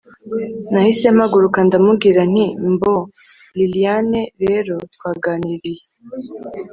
nahise mpaguruka ndamubwira nti mboo, lilian rero twaganiriye